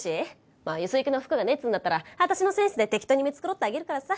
まあよそ行きの服がねえっつうんだったら私のセンスで適当に見繕ってあげるからさ。